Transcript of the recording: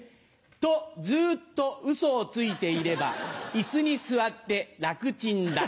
「とずっとウソをついていれば椅子に座って楽ちんだ」。